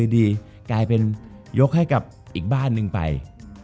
จบการโรงแรมจบการโรงแรม